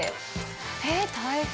えっ大変。